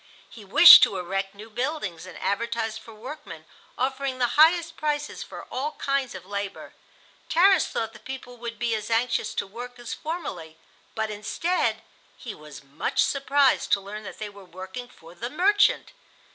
He wished to erect new buildings, and advertised for workmen, offering the highest prices for all kinds of labor. Tarras thought the people would be as anxious to work as formerly, but instead he was much surprised to learn that they were working for the "merchant."